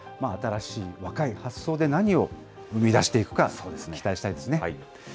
新しい、若い発想で、何を生み出していくか、期待したいですね。